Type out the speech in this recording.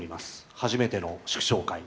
初めての祝勝会。